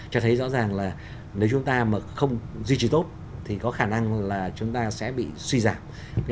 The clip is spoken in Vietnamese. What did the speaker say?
cho thấy rõ ràng là nếu chúng ta mà không duy trì tốt thì có khả năng là chúng ta sẽ bị suy giảm